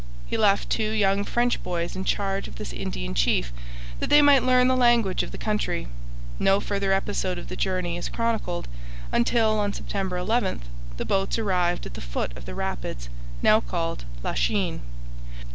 He left two young French boys in charge of this Indian chief that they might learn the language of the country. No further episode of the journey is chronicled until on September 11 the boats arrived at the foot of the rapids now called Lachine.